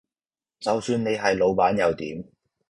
就算你係老闆又點